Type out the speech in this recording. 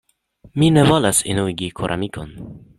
Mi ne volas enuigi koramikon.